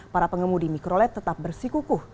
para pengemudi mikrolet tetap bersikukuh